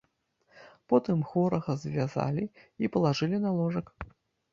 Потым хворага звязалі і палажылі на ложак.